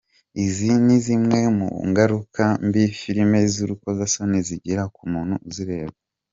Izi ni zimwe mu ngaruka mbi filimi z’urukozasoni zigira ku muntu uzireba :.